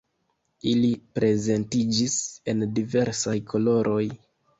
Ili prezentiĝis en diversaj koloroj.